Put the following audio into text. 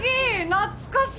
懐かしい。